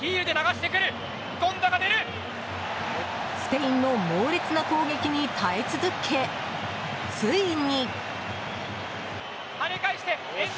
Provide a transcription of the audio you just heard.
スペインの猛烈な攻撃に耐え続けついに。